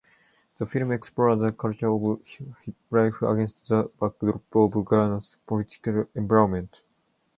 The film explores the culture of hiplife against the backdrop of Ghana's political environment.